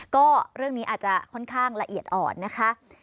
ก็เรื่องนี้อาจจะค่อนข้างละเอียดอ่อนนะคะ